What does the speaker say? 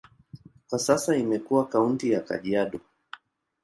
Kwa sasa imekuwa kaunti ya Kajiado.